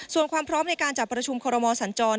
ส่วนความพร้อมในการจัดประชุมคอรมอสัญจร